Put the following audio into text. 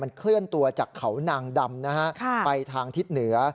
เคลื่อนตัวจากเขานางดำนะฮะไปทางทิศเหนือ